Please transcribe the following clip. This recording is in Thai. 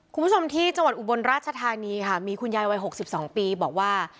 คุณผู้ชมที่จังหวัดอุบลราชธานีค่ะมีคุณยายวัย๖๒ปีบอกว่า